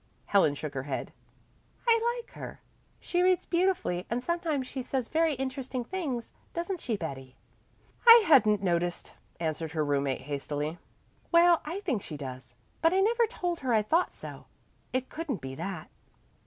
Helen shook her head. "I like her. She reads beautifully and sometimes she says very interesting things, doesn't she, Betty?" "I hadn't noticed," answered her roommate hastily. "Well, I think she does, but I never told her I thought so. It couldn't be that."